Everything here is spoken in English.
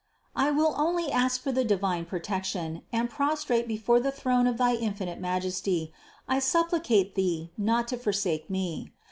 I will only ask for thy divine protection, and, prostrate be fore the throne of thy infinite Majesty, I supplicate Thee not to forsake me.